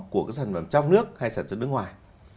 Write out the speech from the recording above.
của các sản phẩm trong nước hay sản xuất nước ngoài